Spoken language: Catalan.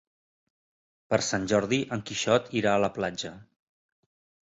Per Sant Jordi en Quixot irà a la platja.